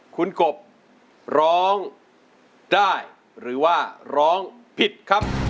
คุณกบร้องได้หรือว่าร้องผิดครับ